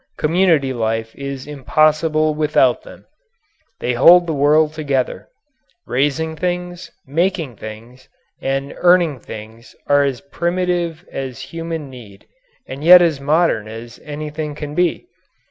Community life is impossible without them. They hold the world together. Raising things, making things, and earning things are as primitive as human need and yet as modern as anything can be.